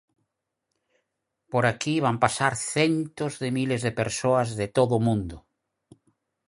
Por aquí van pasar centos de miles de persoas de todo o mundo.